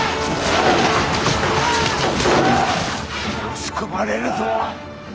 押し込まれるぞ。